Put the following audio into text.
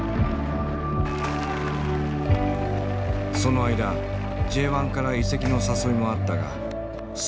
その間Ｊ１から移籍の誘いもあったが全て断った。